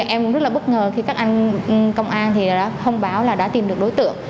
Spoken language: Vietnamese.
em cũng rất là bất ngờ khi các anh công an thì đã thông báo là đã tìm được đối tượng